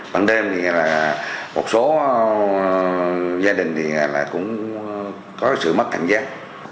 ban đêm thì là một số gia đình thì cũng có sự mất cảnh giác